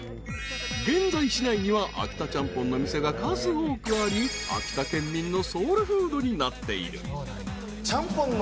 ［現在市内には秋田チャンポンの店が数多くあり秋田県民のソウルフードになっている］